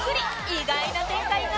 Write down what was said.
意外な展開が